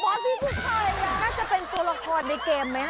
น่าจะเป็นตัวละครในเกมไหมนะ